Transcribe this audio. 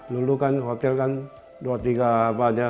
dulu kan hotel kan dua tiga apa aja